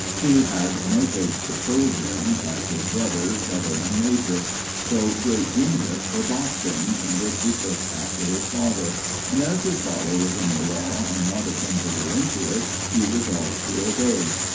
He had no taste for soldiering, like his brother, Sutherland major; though great genius for boxing, in which he took after his father, and as his father was in the law and wanted him to go into it, he resolved to obey.